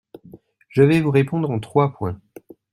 Je vais vous répondre en trois points.